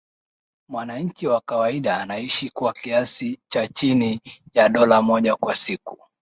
Mwananchi wa kawaida anaishi kwa kiasi cha chini ya dola moja kwa siku